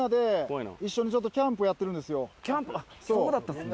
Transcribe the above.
そうだったんですね